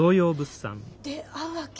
で会うわけ？